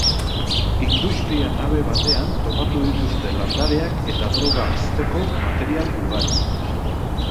Industria-nabe batean topatu dituzte landareak eta droga hazteko material ugari.